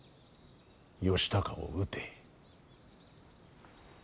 義高を討て。